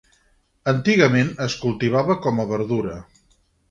Antigament es cultivava com a verdura.